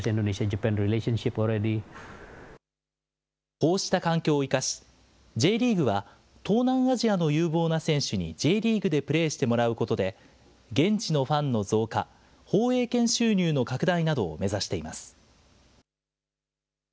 こうした環境を生かし、Ｊリーグは東南アジアの有望な選手にＪリーグでプレーしてもらうことで、現地のファンの増加、放映権収入の拡大などを目指しています。